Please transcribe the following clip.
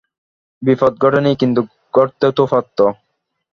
বিপদ ঘটে নি কিন্তু ঘটতে তো পারত।